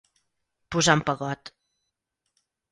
Posar un pegot.